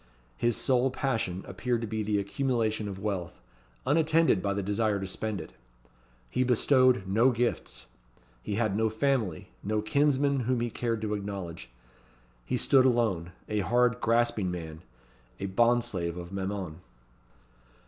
His sole passion appeared to be the accumulation of wealth; unattended by the desire to spend it. He bestowed no gifts. He had no family, no kinsmen, whom he cared to acknowledge. He stood alone a hard, grasping man: a bond slave of Mammon.